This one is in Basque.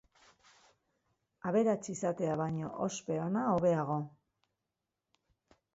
Aberats izatea baino ospe ona hobeago.